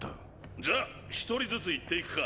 じゃあ１人ずつ言っていくか？